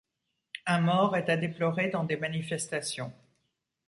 Un mort est à déplorer dans des manifestations.